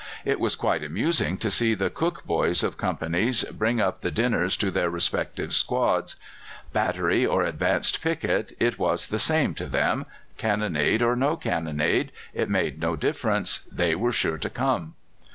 It was quite amusing to see the cook boys of companies bring up the dinners to their respective squads. Battery or advanced picket, it was all the same to them; cannonade or no cannonade it made no difference, they were sure to come.